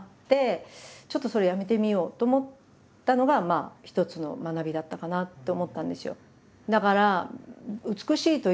ちょっとそれやめてみようと思ったのが一つの学びだったかなと思ったんですよ。